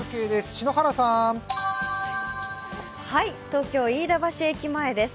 東京・飯田橋駅前です。